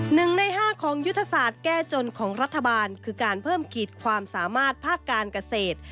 หนึ่งในห้าของยุทธศาสตร์แก้จนของรัฐบาลคือการเพิ่มขีดความสามารถภาคการเกษตร